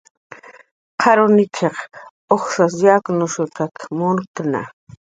Qawr nik'iq ujsas yaknushtak munktna